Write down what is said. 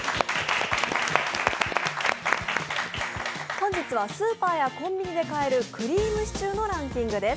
本日はスーパー・コンビニで買える人気のクリームシチューのランキングです。